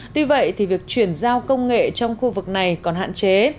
tuy vậy thì việc chuyển giao công nghệ trong khu vực này còn hạn chế